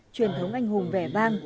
truyền thống anh hùng vẻ vang